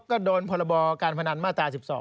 ก็โดนพรบการพนันมาตรา๑๒